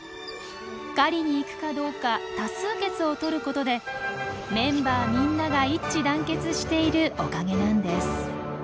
狩りに行くかどうか多数決をとることでメンバーみんなが一致団結しているおかげなんです。